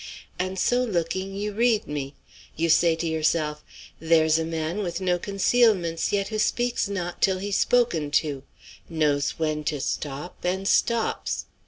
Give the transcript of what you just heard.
And so looking you read me. You say to yourself, 'There's a man with no concealments, yet who speaks not till he's spoken to; knows when to stop, and stops.'